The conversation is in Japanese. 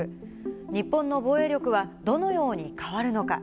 日本の防衛力は、どのように変わるのか。